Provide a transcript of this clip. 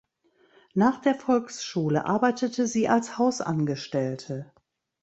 Nach der Volksschule arbeitete sie als Hausangestellte.